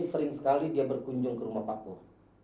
sering sekali dia berkunjung ke rumah pak pur